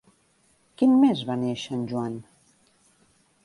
Quin mes va néixer en Joan?